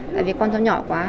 tại vì con cháu nhỏ quá